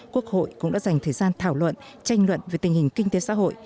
quốc hội cũng đã dành thời gian thảo luận tranh luận về tình hình kinh tế xã hội